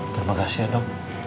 terima kasih ya dok